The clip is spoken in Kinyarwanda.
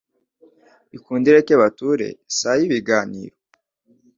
Ikunde ireke bature. Si ay' ibiganiro,